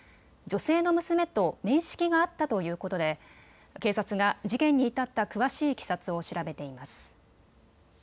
女性の娘と面識があったということで警察が事件に至った詳しいいきさつを調べています。